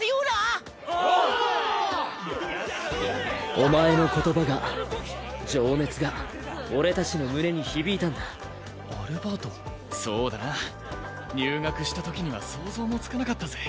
お前の言葉が情熱が俺達の胸に響いたんだアルバートそうだな入学したときには想像もつかなかったぜ